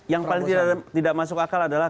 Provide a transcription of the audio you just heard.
yang paling tidak masuk akal adalah